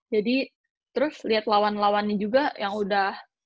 jadi terus liat lawan lawannya juga yang udah